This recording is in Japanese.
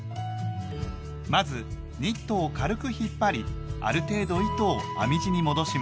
まずニットを軽く引っ張りある程度糸を編み地に戻します。